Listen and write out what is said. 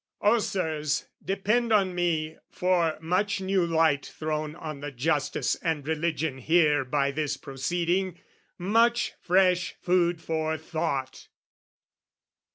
Oh, Sirs, depend on me for much new light Thrown on the justice and religion here By this proceeding, much fresh food for thought!